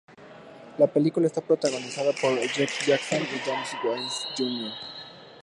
La película está protagonizada por Jake Johnson y Damon Wayans, Jr.